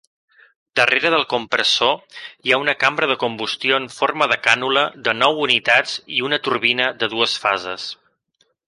Darrere del compressor hi ha una cambra de combustió en forma de cànula de nou unitats i una turbina de dues fases.